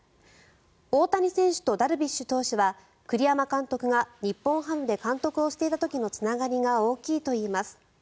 大谷選手とダルビッシュ投手は栗山監督が日本ハムで監督をしていた時のつながりが大きいといいます。